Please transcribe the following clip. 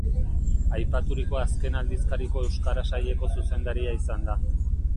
Aipaturiko azken aldizkariko euskara-saileko zuzendaria izan da.